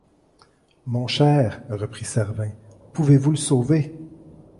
Mon cher, reprit Servin, pouvez-vous le sauver !